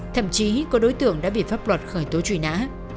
thậm chí có đối tượng đã bị pháp luật khởi tố truy nã